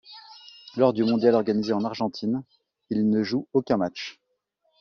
Lors du mondial organisé en Argentine, il ne joue aucun match.